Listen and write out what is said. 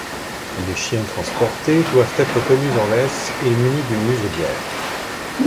Les chiens transportés doivent être tenus en laisse et munis d'une muselière.